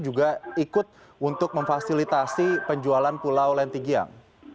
juga ikut untuk memfasilitasi penjualan pulau lentigiang